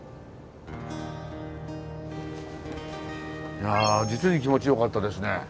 いや実に気持ちよかったですね